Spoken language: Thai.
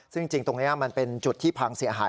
ซึ่งจริงตรงนี้มันเป็นจุดที่พังเสียหาย